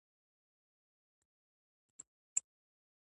تاسو دوا واخلئ